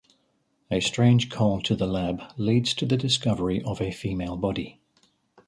A strange call to the lab leads to the discovery of a female body.